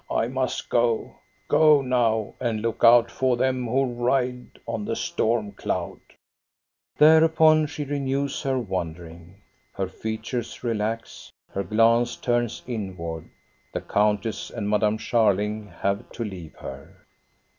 I must go. Go now, and look out for them who ride on the storm cloud !" Thereupon she renews her wandering. Her features relax, her glance turns inward. The countess and Madame Scharling have to leave her.